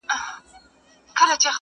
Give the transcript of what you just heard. د فیلانو هم سي غاړي اوږدولای؛